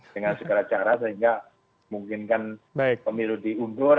dengan segera cara sehingga mungkin kan pemilu diundur